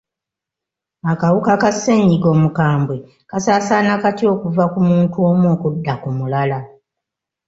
Akawuka ka ssenyiga omukambwe kasaasaana katya okuva ku muntu omu okudda ku mulala?